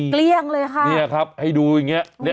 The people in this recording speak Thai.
เกลี้ยงเลยค่ะเนี่ยครับให้ดูอย่างนี้